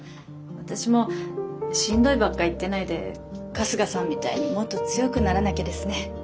私もしんどいばっか言ってないで春日さんみたいにもっと強くならなきゃですね。